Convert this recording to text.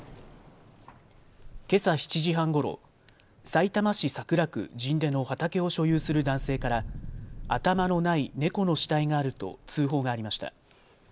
けさ７時半ごろ、さいたま市桜区神田の畑を所有する男性から頭のない猫の死体があると通報がありました。